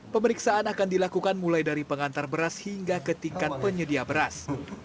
pemeriksaan akan dilakukan mulai dari pengantar beras hingga ke tingkat penyedia beras